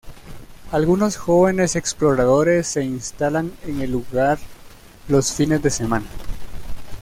Algunos jóvenes exploradores se instalan en el lugar los fines de semana.